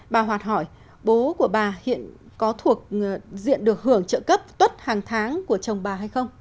bà hoạt hỏi bố của bà hiện có thuộc diện được hưởng trợ cấp tuất hàng tháng của chồng bà hay không